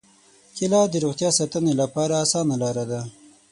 کېله د روغتیا ساتنې لپاره اسانه لاره ده.